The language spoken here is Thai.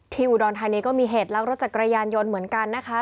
ทีมอุดรทายนี้ก็มีเหตุล็อกรถจากกระยานยนต์เหมือนกันนะคะ